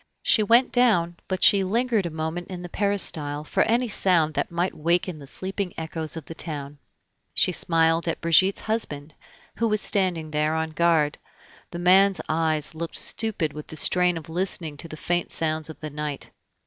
She went down, but she lingered a moment in the peristyle for any sound that might waken the sleeping echoes of the town. She smiled at Brigitte's husband, who was standing there on guard; the man's eyes looked stupid with the strain of listening to the faint sounds of the night.